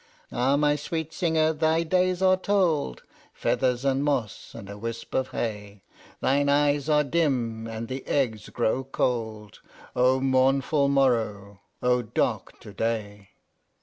"Ah, my sweet singer, thy days are told (Feathers and moss, and a wisp of hay)! Thine eyes are dim, and the eggs grow cold. O mournful morrow! O dark to day!"